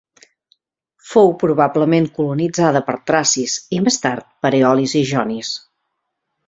Fou probablement colonitzada per tracis i més tard per eolis i jonis.